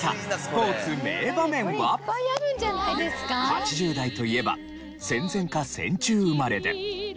８０代といえば戦前か戦中生まれで。